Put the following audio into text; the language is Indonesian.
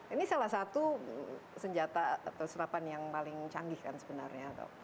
ini salah satu senjata atau serapan yang paling canggih kan sebenarnya